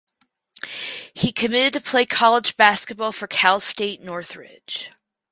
He committed to play college basketball for Cal State Northridge.